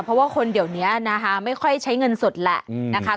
เพราะว่าคนเดี๋ยวนี้นะคะไม่ค่อยใช้เงินสดแหละนะคะ